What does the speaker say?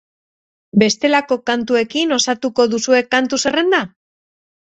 Bestelako kantuekin osatuko duzue kantu zerrenda?